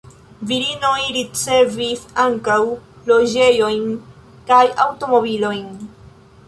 Virinoj ricevis ankaŭ loĝejojn kaj aŭtomobilojn.